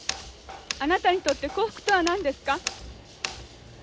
あなたにとって幸福とは何ですか？